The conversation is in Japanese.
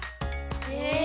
へえ！